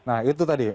nah itu tadi